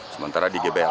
sementara di gbh